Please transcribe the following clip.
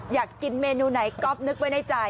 อยากกินเมนูไหนก๊อฟนึกไว้ในใจ